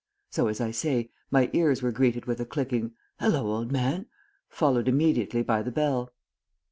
So, as I say, my ears were greeted with a clicking "Hello, old man!" followed immediately by the bell.